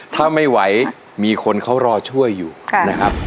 ถ้าไม่ไหวมีคนเขารอช่วยอยู่นะครับ